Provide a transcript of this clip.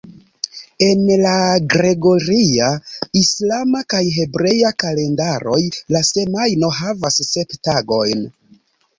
En la gregoria, islama kaj hebrea kalendaroj la semajno havas sep tagojn.